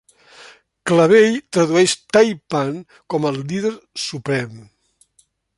Clavell tradueix Tai-Pan com a "líder suprem".